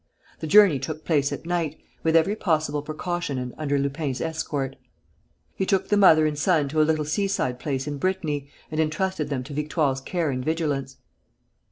The journey took place at night, with every possible precaution and under Lupin's escort. He took the mother and son to a little seaside place in Brittany and entrusted them to Victoire's care and vigilance.